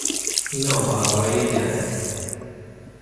این آب و هوای گند